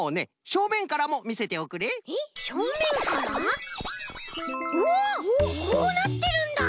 うわこうなってるんだ！